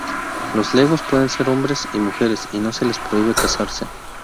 Los legos pueden ser hombres y mujeres y no se les prohíbe casarse.